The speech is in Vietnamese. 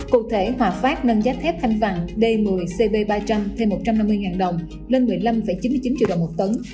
cụ thể hòa phát nâng giá thép thanh vàng d một mươi cb ba trăm linh thêm một trăm năm mươi đồng lên một mươi năm chín mươi chín triệu đồng một tấn